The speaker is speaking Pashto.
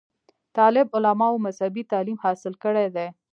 طالب علمانومذهبي تعليم حاصل کړے دے